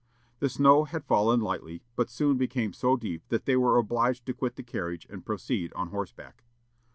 The snow had fallen lightly, but soon became so deep that they were obliged to quit the carriage and proceed on horseback.